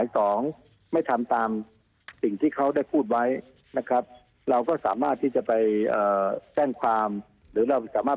ตอนนี้เข้ามาเป็นเจ้าพนักงานของรัฐ